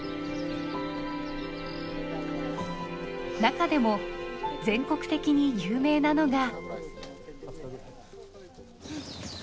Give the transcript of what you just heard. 中でも全国的に有名なのが。